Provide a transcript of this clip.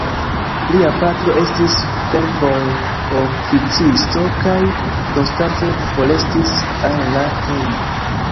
Lia patro estis fervoj-oficisto kaj konstante forestis el la hejmo.